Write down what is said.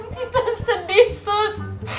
kita sedih sus